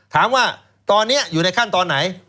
ถามว่าตอนนี้อยู่ในขั้นตอนไหน